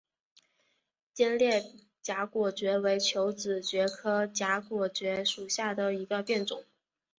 尖裂荚果蕨为球子蕨科荚果蕨属下的一个变种。